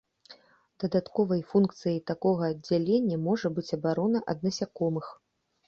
Дадатковай функцыяй такога аддзялення можа быць абарона ад насякомых.